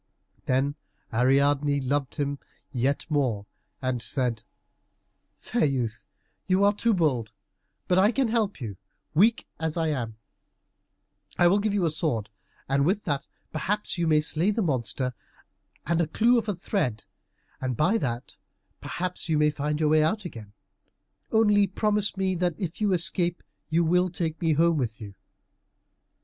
Then Ariadne loved him yet more, and said, "Fair youth, you are too bold, but I can help you, weak as I am. I will give you a sword, and with that perhaps you may slay the monster, and a clue of thread, and by that perhaps you may find your way out again. Only promise me that if you escape you will take me home with you."